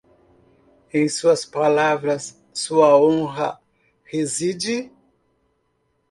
Em suas palavras, sua honra reside.